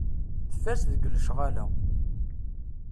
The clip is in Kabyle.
Tfaz deg lecɣal-a.